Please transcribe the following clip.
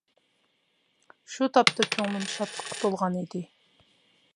شۇ تاپتا كۆڭلۈم شادلىققا تولغان ئىدى.